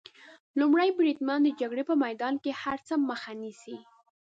لومړی بریدمن د جګړې په میدان کې د هر څه مخه نیسي.